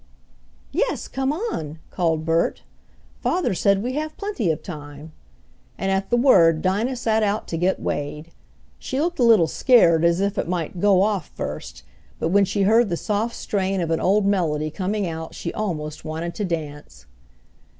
"Yes, come on," called Bert. "Father said we have plenty of time," and at the word Dinah set out to get weighed. She looked a little scared, as if it might "go off" first, but when she heard the soft strain of an old melody coming out she almost wanted to dance.